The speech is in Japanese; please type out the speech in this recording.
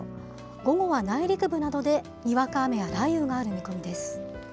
午後は内陸部などでにわか雨や雷雨がある見込みです。